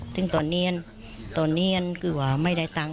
จึงตอนเรียนตัวนี้ยันคือก็ไม่ได้ฟัง